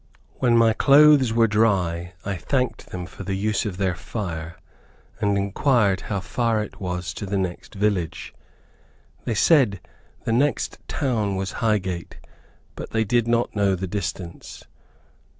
When my clothes were dry, I thanked them for the use of their fire, and inquired how far it was to the next village. They said the next town was Highgate, but they did not know the distance.